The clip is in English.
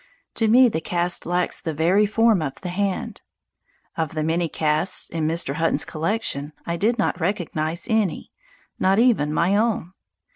To me the cast lacks the very form of the hand. Of the many casts in Mr. Hutton's collection I did not recognize any, not even my own.